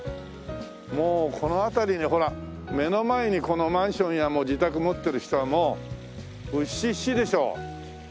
もうこの辺りにほら目の前にこのマンションや自宅持ってる人はもうウッシッシでしょう！